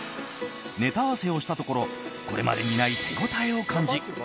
ネタ合わせをしたところこれまでにない手応えを感じ